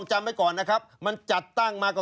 ชีวิตกระมวลวิสิทธิ์สุภาณฑ์